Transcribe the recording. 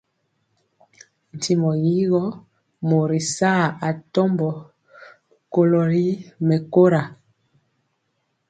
Ntimɔ yi gɔ mori saa atɔmbɔ kolo ri mɛkóra.